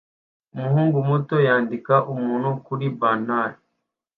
Umuhungu muto yandika umuntu kuri banneri